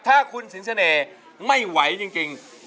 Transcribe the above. ถ้าคุณสิงเสน่ห์ไม่ไหวจริง